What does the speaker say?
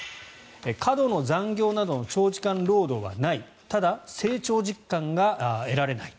過度な残業などの長時間労働はないただ、成長実感が得られない。